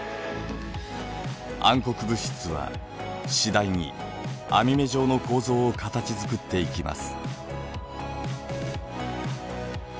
暗黒物質は次第に網目状の構造を形づくっていきます。